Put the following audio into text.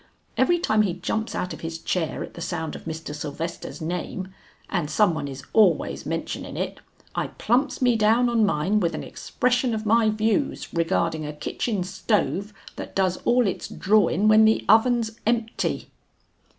Every time he jumps out of his chair at the sound of Mr. Sylvester's name, and some one is always mentionin' it, I plumps me down on mine with an expression of my views regarding a kitchen stove that does all its drawin' when the oven's empty."